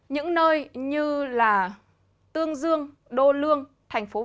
những nơi như tương dương đô lương tp hcm